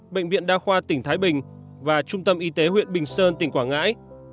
bệnh viện đa khoa tỉnh thái bình và trung tâm y tế huyện bình sơn tỉnh quảng ngãi